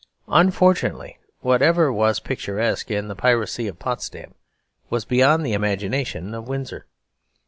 Unfortunately, whatever was picturesque in the piracy of Potsdam was beyond the imagination of Windsor.